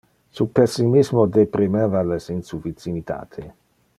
Su pessimismo deprimeva les in su vicinitate.